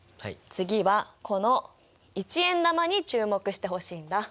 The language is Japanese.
次はこの１円玉に注目してほしいんだ。